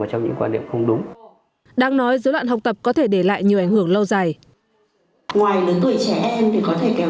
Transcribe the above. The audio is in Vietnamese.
nó có thể ảnh hưởng đến sau này những cái dối loạn khác nó có thể gọi là đồng bệnh lý thương pháp sau đó